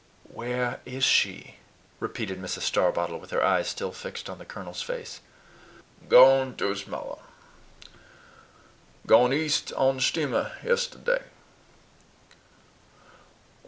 "Where is she?" repeated Mrs. Starbottle, with her eyes still fixed on the colonel's face. "Gone to 'ts m'o'r. Gone East on shteamer, yesserday.